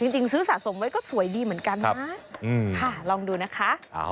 จริงซื้อสะสมไว้ก็สวยดีเหมือนกันนะค่ะลองดูนะคะ